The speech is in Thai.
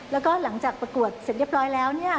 แล้วก็หลังจากประกวดเสร็จเรียบร้อยแล้วเนี่ย